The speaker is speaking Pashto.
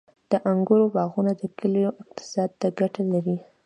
• د انګورو باغونه د کلیو اقتصاد ته ګټه لري.